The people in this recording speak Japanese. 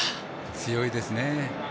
強いですね。